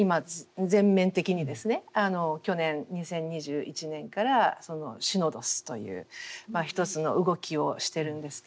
去年２０２１年からシノドスという一つの動きをしてるんですけれども。